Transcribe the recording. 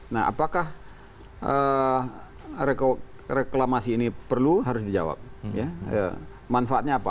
nah apakah reklamasi ini perlu harus dijawab ya manfaatnya apa